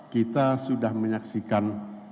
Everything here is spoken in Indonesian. kita sudah menyaksikan